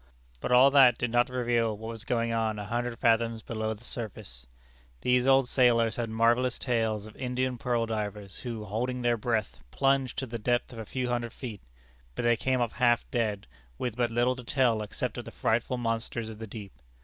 But all that did not reveal what was going on a hundred fathoms below the surface. These old sailors had marvellous tales of Indian pearl divers, who, holding their breath, plunged to the depth of a few hundred feet; but they came up half dead, with but little to tell except of the frightful monsters of the deep.